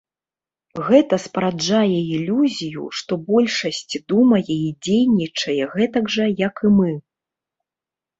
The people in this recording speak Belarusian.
Гэта спараджае ілюзію, што большасць думае і дзейнічае гэтак жа, як і мы.